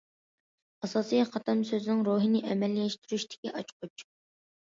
ئاساسىي قاتلام سۆزنىڭ روھىنى ئەمەلىيلەشتۈرۈشتىكى ئاچقۇچ.